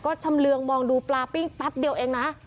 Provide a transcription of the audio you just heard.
ก็ชำเรืองมองดูปลาปิ้งแป๊บเดียวเองนะ